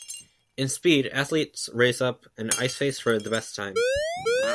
In Speed, athletes race up an ice face for the best time.